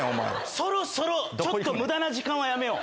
そろそろ無駄な時間はやめよう。